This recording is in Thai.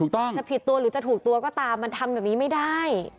จะผิดตัวหรือจะถูกตัวก็ตามมันทำแบบนี้ไม่ได้